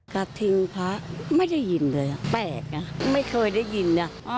กระทิงพระไม่ได้ยินเลยแปลกนะไม่เคยได้ยินนะ